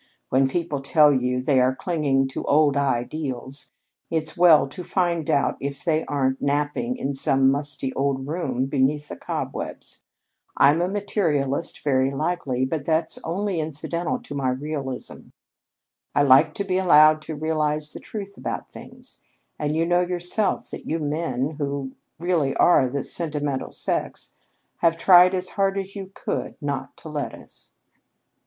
"When people tell you they are clinging to old ideals, it's well to find out if they aren't napping in some musty old room beneath the cobwebs. I'm a materialist, very likely, but that's only incidental to my realism. I like to be allowed to realize the truth about things, and you know yourself that you men who really are the sentimental sex have tried as hard as you could not to let us."